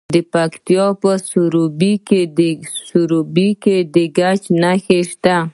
د پکتیکا په سروبي کې د ګچ نښې شته.